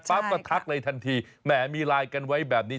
ปั๊บก็ทักเลยทันทีแหมมีไลน์กันไว้แบบนี้